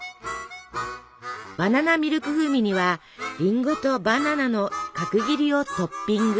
バナナミルク風味にはリンゴとバナナの角切りをトッピング。